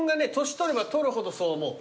年取れば取るほどそう思う。